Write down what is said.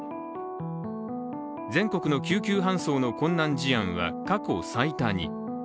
全国の救急搬送の困難事案は過去最多に。